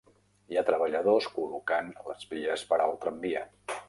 Hi ha treballadors col·locant les vies per al tramvia.